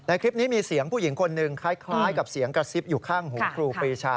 คลิปนี้มีเสียงผู้หญิงคนหนึ่งคล้ายกับเสียงกระซิบอยู่ข้างหูครูปรีชา